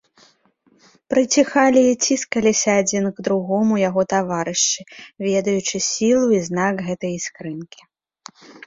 Прыціхалі і ціскаліся адзін к другому яго таварышы, ведаючы сілу і знак гэтай іскрынкі.